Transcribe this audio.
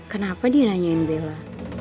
kenapa dinanyain bella